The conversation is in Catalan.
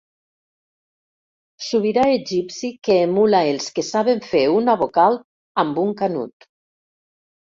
Sobirà egipci que emula els que saben fer una vocal amb un canut.